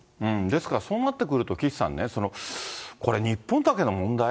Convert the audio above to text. ですから、そうなってくると、岸さんね、これ、日本だけの問題？